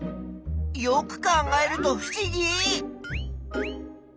よく考えるとふしぎ！